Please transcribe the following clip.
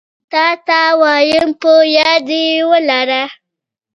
تاته وايم په ياد يي ولره